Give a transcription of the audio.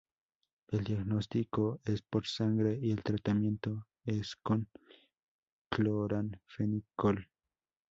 El diagnóstico es por sangre y el tratamiento es con cloranfenicol.